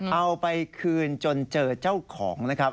เอาไปคืนจนเจอเจ้าของนะครับ